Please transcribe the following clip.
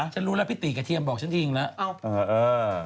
ฉันรู้แล้วพี่ตีกระเทียมบอกฉันจริงแล้วอ้าวเออเออ